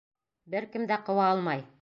Бер кем дә ҡыуа алмай...